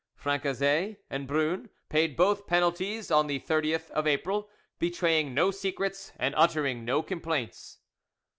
Francezet and Brun paid both penalties on the 30th of April, betraying no secrets and uttering no complaints.